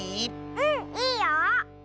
うんいいよ！